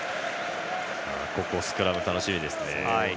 スクラム楽しみですね。